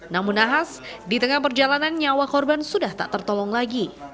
namun nahas di tengah perjalanan nyawa korban sudah tak tertolong lagi